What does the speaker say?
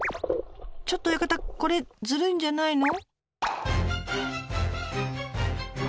ちょっと親方これずるいんじゃないの？